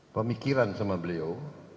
pemikiran sama beliau